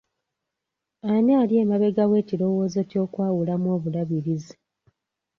Ani ali emabega w'ekirowoozo ky'okwawulamu obulabirizi.